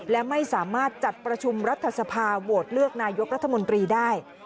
และไม่สามารถจัดประชุมรัฐสภาโหวตเลือกนายกรัฐมนตรีได้